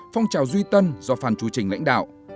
phong trào duy tân do phan chú trình lãnh đạo